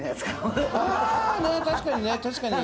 確かにね。